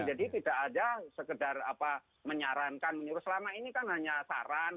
tidak ada sekedar menyarankan menyuruh selama ini kan hanya saran